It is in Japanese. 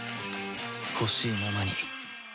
ほしいままに